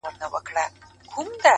ا ويل په ښار کي چيرې اور دی لگېدلی’